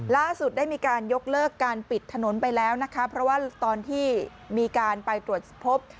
ล่าสุดได้มีการยกเลิกการปิดถนนไปแล้วนะคะเพราะว่าตอนที่มีการไปตรวจพบ